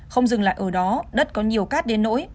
không dừng lại ở đó đất có nhiều cát đến nỗi